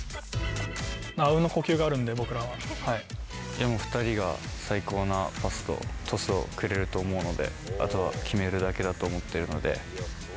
あうんの呼吸があるんで、２人が最高なパスとトスをくれると思うので、あとは決めるだけだと思っているので。